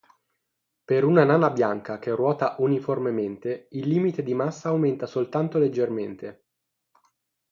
Per una nana bianca che ruota uniformemente, il limite di massa aumenta soltanto leggermente.